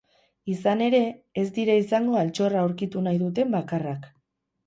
Izan ere, ez dira izango altxorra aurkitu nahi duten bakarrak.